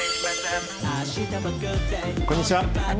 こんにちは。